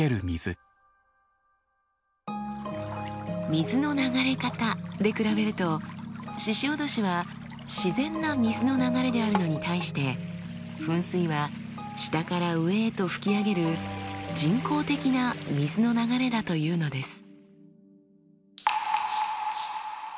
水の流れ方で比べると鹿おどしは自然な水の流れであるのに対して噴水は下から上へと噴き上げる人工的な水の流れだというのです。